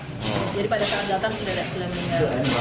jadi pada saat datang sudah meninggal